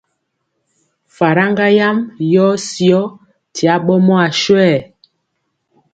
Faraŋga yam yɔɔ syɔ ti aɓɔmɔ aswɛɛ.